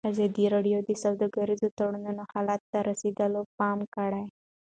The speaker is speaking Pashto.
ازادي راډیو د سوداګریز تړونونه حالت ته رسېدلي پام کړی.